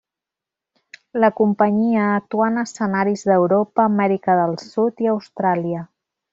La companyia actuà en escenaris d’Europa, Amèrica del Sud i Austràlia.